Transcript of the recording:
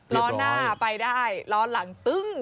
ล้อหน้าไปได้ล้อหลังตึ้ง